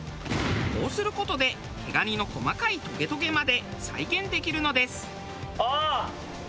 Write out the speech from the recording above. こうする事で毛ガニの細かいトゲトゲまで再現できるのです。